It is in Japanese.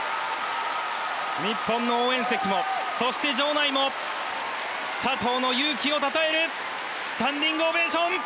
日本の応援席もそして場内も佐藤の勇気をたたえるスタンディングオベーション！